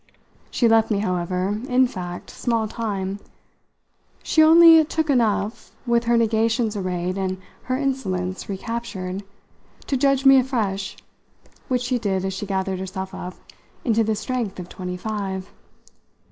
She left me, however, in fact, small time she only took enough, with her negations arrayed and her insolence recaptured, to judge me afresh, which she did as she gathered herself up into the strength of twenty five.